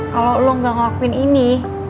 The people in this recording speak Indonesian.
kalau lo gak ngelakuin ini